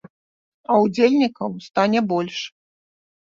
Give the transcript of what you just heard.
А удзельнікаў стане больш.